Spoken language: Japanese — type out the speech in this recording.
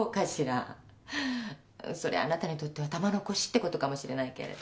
そりゃあなたにとっては玉の輿ってことかもしれないけれど。